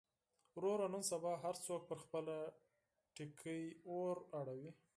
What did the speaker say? وروره نن سبا هر څوک پر خپله ټکۍ اور اړوي.